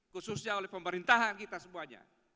khususnya oleh pemerintahan kita semuanya